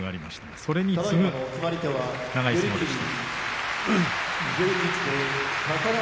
それに次ぐ長い相撲でした。